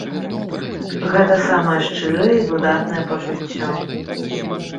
Гэта самае шчырае і выдатнае пачуццё.